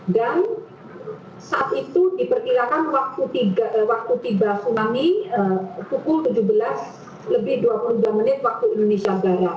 dan saat itu diperkirakan waktu tiba tsunami pukul tujuh belas lebih dua puluh dua menit waktu indonesia